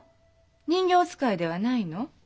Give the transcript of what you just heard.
人形遣いではないの？